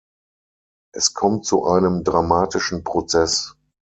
Es kommt zu einem dramatischen Prozess.